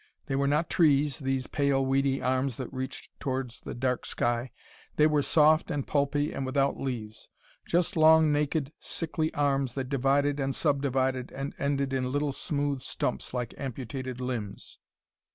They were not trees, these pale, weedy arms that reached towards the dark sky. They were soft and pulpy, and without leaves; just long naked sickly arms that divided and subdivided and ended in little smooth stumps like amputated limbs.